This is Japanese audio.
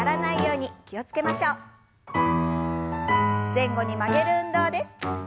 前後に曲げる運動です。